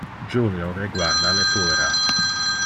Julio reguarda le puera.